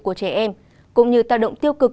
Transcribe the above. của trẻ em cũng như tạo động tiêu cực